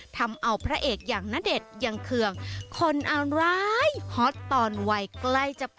ทำเอาพระเอกอย่างณเดชน์ยังเคืองคนอะไรร้ายฮอตตอนวัยใกล้จะพอ